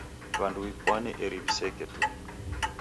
W'andu w'ipwane eri w'iseke tu.